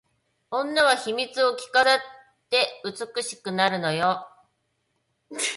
女は秘密を着飾って美しくなるのよ